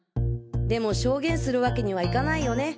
でも証言するワケにはいかないよね。